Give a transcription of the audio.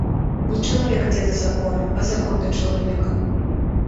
Не чалавек ідзе да закону, а закон да чалавека.